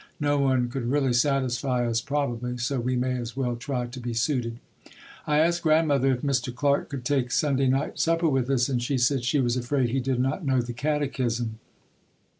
No one could really satisfy us probably, so we may as well try to be suited. I asked Grandmother if Mr. Clarke could take Sunday night supper with us and she said she was afraid he did not know the catechism.